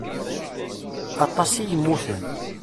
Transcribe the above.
Aṭas i yemmuten.